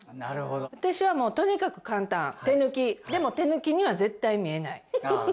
私はもうとにかく簡単手抜きでも手抜きには絶対見えないああ